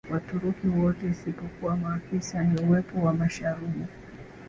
Waturuki wote isipokuwa maafisa ni uwepo wa masharubu